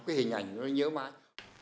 cái hình ảnh nó nhớ mãi